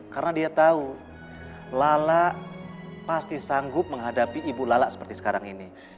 karena dia tahu lala pasti sanggup menghadapi ibu lala seperti sekarang ini